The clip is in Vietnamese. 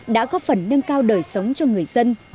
đã góp phần nâng cao đời sống cho người dân